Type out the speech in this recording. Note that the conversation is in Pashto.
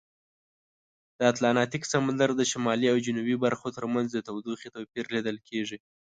د اتلانتیک سمندر د شمالي او جنوبي برخو ترمنځ د تودوخې توپیر لیدل کیږي.